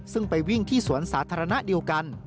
ซึ่งไปวิ่งที่สวนสาธารณะเดียวกัน